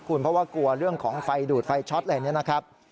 เพราะว่ากลัวเรื่องของไฟดูดไฟช็อตอะไรเนี่ยนะครับ